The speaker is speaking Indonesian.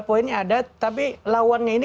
poinnya ada tapi lawannya ini